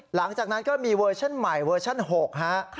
หลังจากนั้นก็มีเวอร์ชั่นใหม่เวอร์ชั่น๖ฮะ